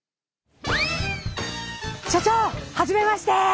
所長はじめまして！